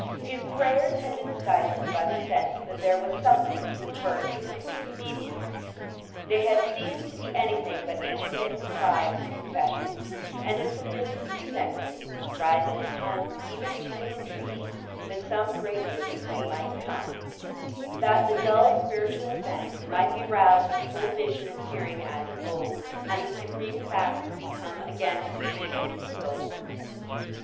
His prayers had been stifled by the sense that there was something he preferred to complete obedience; they had ceased to be anything but intermittent cries and confessions, and a submissive presentiment, rising at times even to an entreaty, that some great discipline might come, that the dull spiritual sense might be roused to full vision and hearing as of old, and the supreme facts become again supreme in his soul.